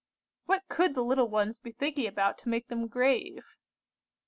What could the little ones be thinking about to make them grave?